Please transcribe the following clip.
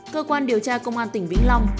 cơ quan điều tra công an tỉnh vĩnh long